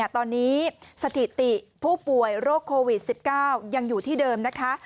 ตอนนี้สถิติผู้ป่วยโรคโควิด๑๙ยังอยู่ที่เดิมนะคะ